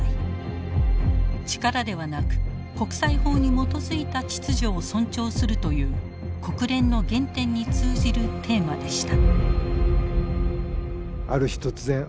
力ではなく国際法に基づいた秩序を尊重するという国連の原点に通じるテーマでした。